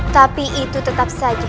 tapi itu tetap saja